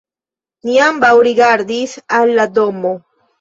Ni ambaŭ rigardis al la domo.